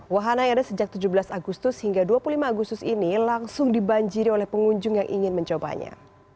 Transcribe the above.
wahana yang ada sejak tujuh belas agustus hingga dua puluh lima agustus ini langsung dibanjiri oleh pengunjung yang ingin mencobanya